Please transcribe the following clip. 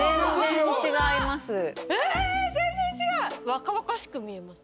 若々しく見えます。